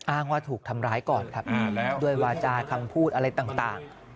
อ้างว่าถูกทำร้ายก่อนครับด้วยวาจาคำพูดอะไรต่าง